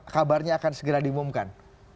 kabarnya akan segera diumumkan